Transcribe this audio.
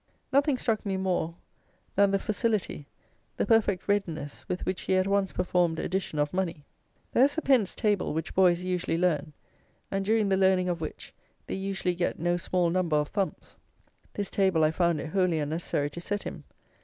Nothing struck me more than the facility, the perfect readiness with which he at once performed addition of money. There is a pence table which boys usually learn, and during the learning of which they usually get no small number of thumps. This table I found it wholly unnecessary to set him.